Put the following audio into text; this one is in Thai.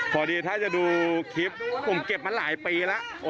พอดีถ้าจะดูคลิปผมเก็บมาหลายปีแล้ว